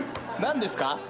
何ですか？